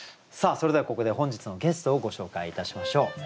それではここで本日のゲストをご紹介いたしましょう。